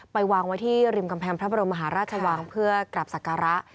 วางไว้ที่ริมกำแพงพระบรมมหาราชวังเพื่อกลับศักระ